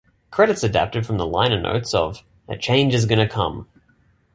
Credits adapted from the liner notes of "A Change Is Gonna Come".